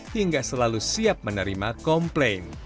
hingga selalu siap menerima komplain